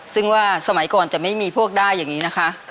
ซึ่งว่าสมัยก่อนจะไม่มีพวกได้อย่างนี้นะคะ